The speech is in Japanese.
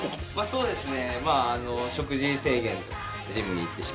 そうですね。